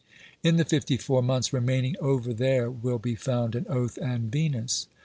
In the fifty four months remaining over there will be found an oath and Venus.